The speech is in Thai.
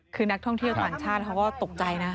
คือนักท่องเที่ยวต่างชาติเขาก็ตกใจนะ